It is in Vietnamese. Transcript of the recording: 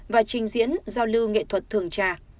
và trình diễn giao lưu nghệ thuật thường trà